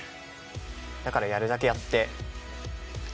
だからやるだけやって。